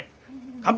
乾杯！